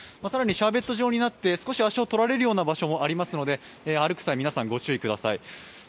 更にシャーベット状になって足を取られる場所もありますので、歩く際、皆さんご注意ください。